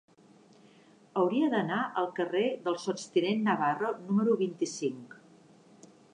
Hauria d'anar al carrer del Sots tinent Navarro número vint-i-cinc.